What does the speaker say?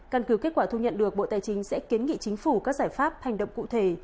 căn cứ kết quả thu nhận được bộ tài chính sẽ kiến nghị chính phủ các giải pháp hành động cụ thể